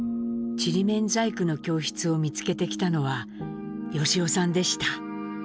ちりめん細工の教室を見つけてきたのは由夫さんでした。